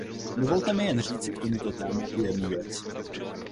Dovolte mi jen říci k tomuto tématu jednu věc.